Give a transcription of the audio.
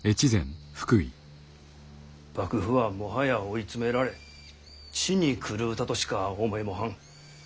幕府はもはや追い詰められ血に狂うたとしか思えもはん。